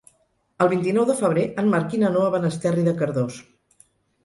El vint-i-nou de febrer en Marc i na Noa van a Esterri de Cardós.